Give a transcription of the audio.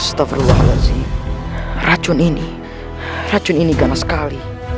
racun ini racun ini ganas sekali